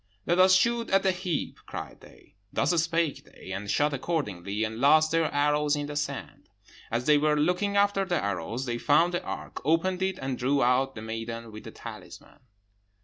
'Let us shoot at that heap!' cried they. Thus spake they, and shot accordingly, and lost their arrows in the sand. As they were looking after the arrows, they found the ark, opened it, and drew out the maiden with the talisman.